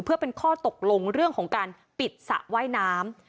เพื่อเป็นข้อตกลงเรื่องของการปิดสระว่ายน้ำ